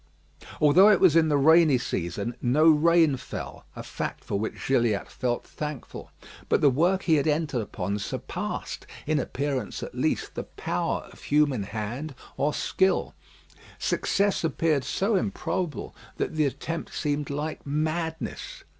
Although it was in the rainy season no rain fell, a fact for which Gilliatt felt thankful. But the work he had entered upon surpassed, in appearance at least, the power of human hand or skill. Success appeared so improbable that the attempt seemed like madness.